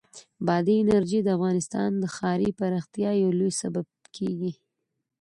بادي انرژي د افغانستان د ښاري پراختیا یو لوی سبب کېږي.